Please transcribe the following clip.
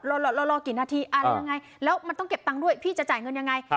เรารอกี่นาทีอะไรยังไงแล้วมันต้องเก็บตังค์ด้วยพี่จะจ่ายเงินยังไง